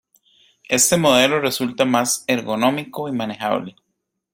Este modelo resulta más ergonómico y manejable.